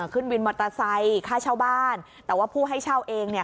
ขึ้นวินมอเตอร์ไซค์ค่าเช่าบ้านแต่ว่าผู้ให้เช่าเองเนี่ย